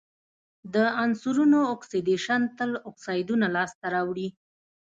د عنصرونو اکسیدیشن تل اکسایدونه لاسته راوړي.